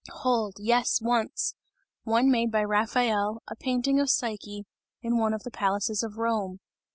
Hold! yes, once, one made by Raphael, a painting of Psyche, in one of the palaces of Rome.